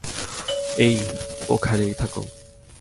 এই, ওখানেই থাকো।